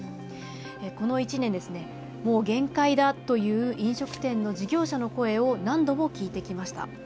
この１年、もう限界だという飲食店の事業者の声を何度も聞いてきました。